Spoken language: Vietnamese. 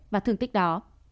và thương tích đó